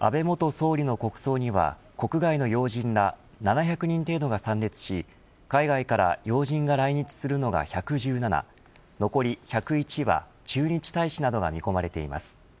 安倍元総理の国葬には国外の要人ら７００人程度が参列し海外から要人が来日するのが１１７残り１０１は駐日大使などが見込まれています。